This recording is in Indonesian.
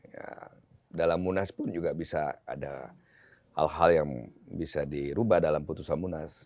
ya dalam munas pun juga bisa ada hal hal yang bisa dirubah dalam putusan munas